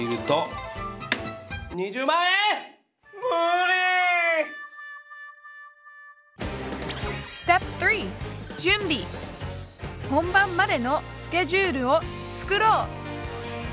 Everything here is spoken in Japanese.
本番までのスケジュールを作ろう！